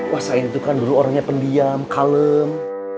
wasain tuh kan orangnya pendiam kalem